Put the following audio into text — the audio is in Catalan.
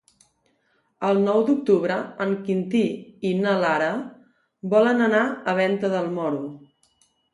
El nou d'octubre en Quintí i na Lara volen anar a Venta del Moro.